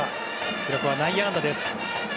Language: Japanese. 記録は内野安打です。